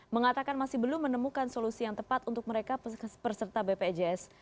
mengatakan masih belum menemukan solusi yang tepat untuk mereka perserta bpjs